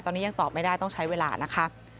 ตอนนี้ยังตอบไม่ได้ต้องใช้เวลานะคะ